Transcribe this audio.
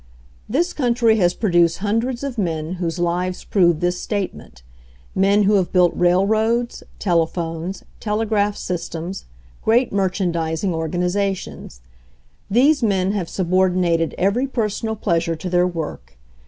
This country has produced hundreds of men whose lives prove this statement — men who have built railroads, telephones, telegraph systems, great merchandising organizations. These men have subordinated every personal pleasure to their work.